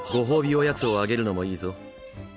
おやつをあげるのもいいぞ。